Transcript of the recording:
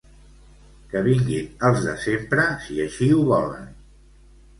Que vinguin els de sempre si així ho volen.